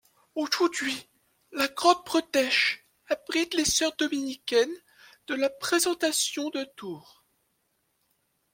Aujourd'hui la Grande Bretèche abrite les sœurs dominicaines de la Présentation de Tours.